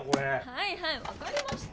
はいはいわかりました！